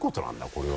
これは。